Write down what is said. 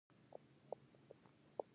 اذان د څه غږ دی؟